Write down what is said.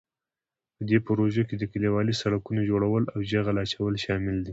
په دې پروژو کې د کلیوالي سړکونو جوړول او جغل اچول شامل دي.